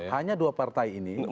hanya dua partai ini